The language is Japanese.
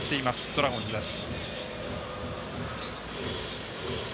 ドラゴンズです。